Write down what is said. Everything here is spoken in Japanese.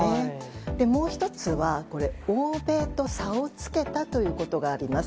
もう１つは欧米と差をつけたということがあります。